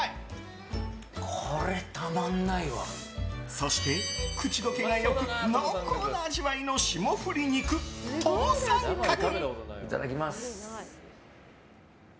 そして、口溶けが良く濃厚な味わいの霜降り肉トモサンカク。